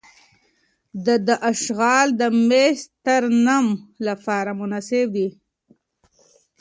د ده اشعار د مست ترنم لپاره مناسب دي.